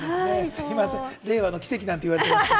すみません、令和の奇跡なんて言われまして。